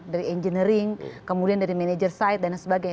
dari engineering kemudian dari manajer side dan sebagainya